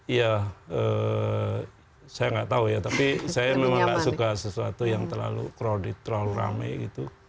iya saya nggak tahu ya tapi saya memang nggak suka sesuatu yang terlalu crowded terlalu rame gitu